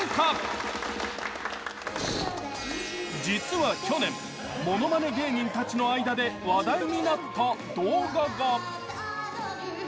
実は去年ものまね芸人たちの間で話題になった動画が。